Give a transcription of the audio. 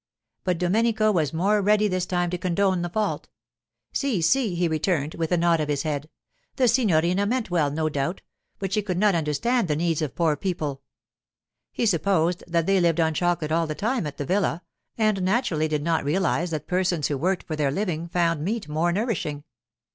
But Domenico was more ready this time to condone the fault. 'Si, si,' he returned, with a nod of his head: 'the signorina meant well, no doubt, but she could not understand the needs of poor people. He supposed that they lived on chocolate all the time at the villa, and naturally did not realize that persons who worked for their living found meat more nourishing.